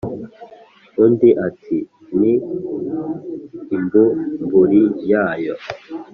undi ati ni imbumburi yayo